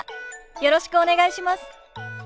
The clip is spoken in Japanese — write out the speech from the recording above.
よろしくお願いします。